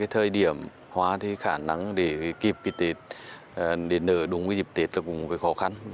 thời điểm hoa khả năng để kịp dịp tết để nở đúng dịp tết là cũng khó khăn